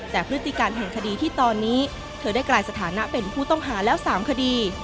แต่พฤติการแห่งคดีที่ตอนนี้เธอได้กลายสถานะเป็นผู้ต้องหาแล้ว๓คดี